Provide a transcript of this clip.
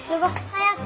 早く！